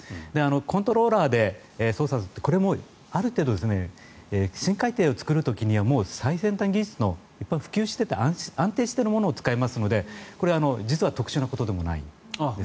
コントローラーで操作するってこれも、ある程度深海艇を作る時には最先端技術の普及していて安定しているものを使いますので特殊なことではないんです。